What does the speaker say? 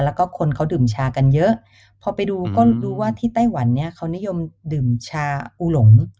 แล้วก็คนเขาดื่มชากันเยอะพอไปดูก็รู้ว่าที่ไต้หวันเนี่ยเขานิยมดื่มชาอูหลง